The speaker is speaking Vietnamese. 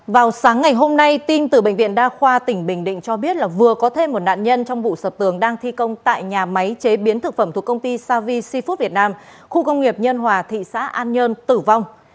vào sáng ngày hôm nay tin từ bệnh viện đa khoa tỉnh bình định cho biết là vừa có thêm một nạn nhân trong vụ sập tường đang thi công tại nhà máy chế biến thực phẩm thuộc công ty savi food việt nam khu công nghiệp nhân hòa thị xã an nhơn tử vong